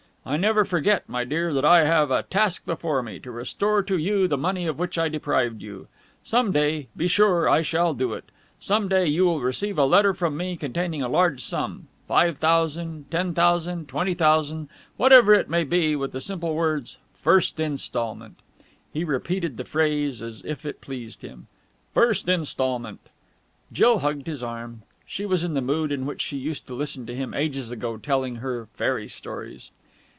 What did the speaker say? I never forget, my dear, that I have a task before me to restore to you the money of which I deprived you. Some day be sure I shall do it. Some day you will receive a letter from me, containing a large sum five thousand ten thousand twenty thousand whatever it may be, with the simple words 'First Instalment.'" He repeated the phrase, as if it pleased him. "First Instalment!" Jill hugged his arm. She was in the mood in which she used to listen to him ages ago telling her fairy stories.